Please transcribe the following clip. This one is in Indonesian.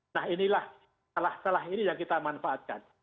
nah inilah salah ini yang kita manfaatkan